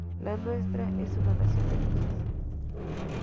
La nuestra es una nación de leyes.